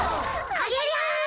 ありゃりゃ？